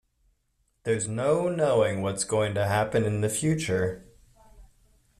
There's no knowing what's going to happen in the future.